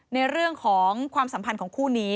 ในเรื่องของความสัมพันธ์ของคู่นี้